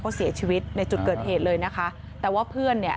เขาเสียชีวิตในจุดเกิดเหตุเลยนะคะแต่ว่าเพื่อนเนี่ย